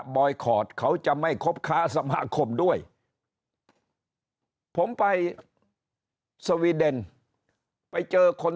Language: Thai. อยคอร์ดเขาจะไม่คบค้าสมาคมด้วยผมไปสวีเดนไปเจอคน